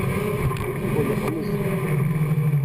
Yuba yeɣmez.